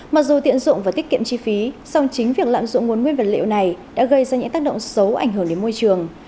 mặc dù tiện dụng và tiết kiệm chi phí song chính việc lạm dụng nguồn nguyên vật liệu này đã gây ra những tác động xấu ảnh hưởng đến môi trường